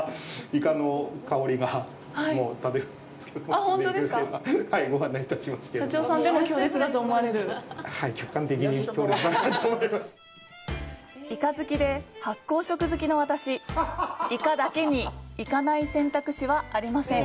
イカ好きで発酵食好きの私、イカだけに“行かない”選択肢はありません！